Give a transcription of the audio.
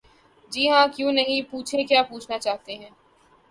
جی ہاں کیوں نہیں...پوچھیں کیا پوچھنا چاہتے ہیں؟